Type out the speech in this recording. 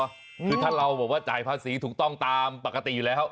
คือถ้าเราบอกว่าจ่ายภาษีถูกต้องตามปกติอยู่แล้ว